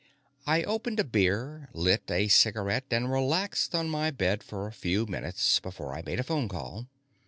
I opened a beer, lit a cigarette, and relaxed on my bed for a few minutes before I made a phone call.